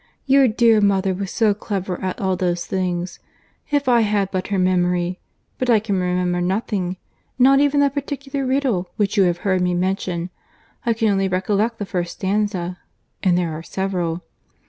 Your dear mother was so clever at all those things! If I had but her memory! But I can remember nothing;—not even that particular riddle which you have heard me mention; I can only recollect the first stanza; and there are several.